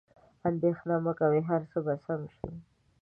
اندیښنه مه کوئ، هر څه به سم شي.